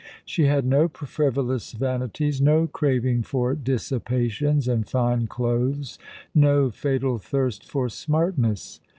She had no frivolous vanities, no craving for dissipations and fine clothes, no fatal thirst for " smartness."